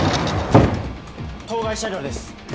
当該車両です。